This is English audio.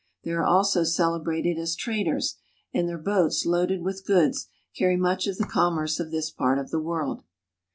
They are also celebrated as traders, and their boats, loaded with goods, carry much of the commerce of this part of the world.